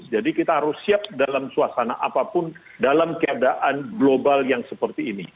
jadi kita harus siap dalam suasana apapun dalam keadaan global yang seperti ini